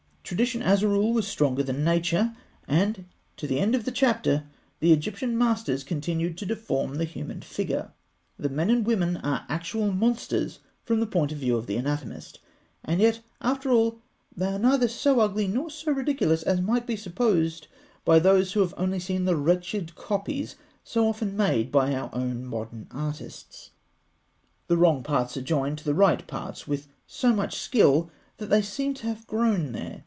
Tradition, as a rule, was stronger than nature, and to the end of the chapter, the Egyptian masters continued to deform the human figure. Their men and women are actual monsters from the point of view of the anatomist; and yet, after all, they are neither so ugly nor so ridiculous as might be supposed by those who have seen only the wretched copies so often made by our modern artists. The wrong parts are joined to the right parts with so much skill that they seem to have grown there.